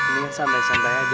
ini ya santai santai aja dulu